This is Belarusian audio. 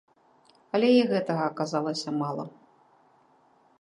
Але і гэтага аказалася мала.